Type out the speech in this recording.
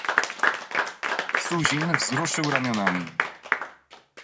"Suzin wzruszył ramionami."